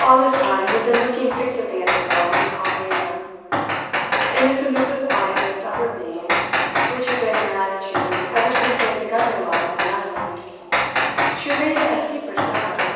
All this time he had been looking fixedly at the girl he called Lena. In the submissive quietness of her being, which had been her attitude ever since they had begun their life on the island, she remained as secret as ever.